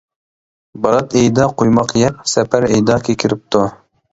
بارات ئېيىدا قۇيماق يەپ، سەپەر ئېيىدا كېكىرىپتۇ.